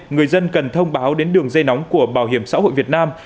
người dân cần thông báo đến đường dây nóng của bảo hiểm xã hội việt nam